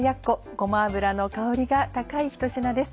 ごま油の香りが高いひと品です。